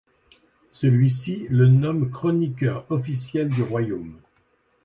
Celui-ci le nomme chroniqueur officiel du royaume.